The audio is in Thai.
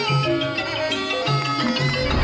โอเคครับ